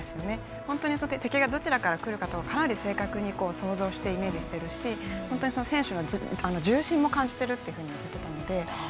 本当に、敵がどちらから来るかかなり正確に想像してイメージしているし選手の重心も感じていると言っていたので。